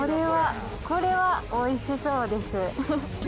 これはおいしそうです。